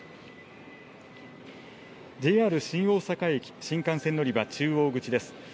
ＪＲ新大阪駅、新幹線乗り場中央口です。